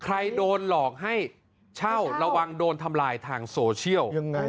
ใครโดนหลอกให้เช่าระวังโดนทำลายทางโซเชียล